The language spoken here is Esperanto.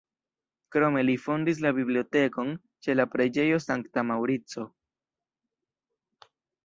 Krome li fondis la bibliotekon ĉe la preĝejo Sankta Maŭrico.